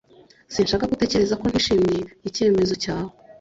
sinshaka ko utekereza ko ntishimiye icyemezo cyawe